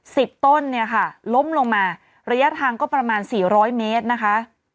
ต้นเนี่ยค่ะล้มลงมาระยะทางก็ประมาณสี่ร้อยเมตรนะคะ